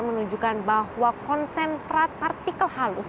menunjukkan bahwa konsentrat partikel halus